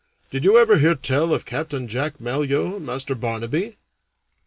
Did you ever hear tell of Capt. Jack Malyoe, Master Barnaby?"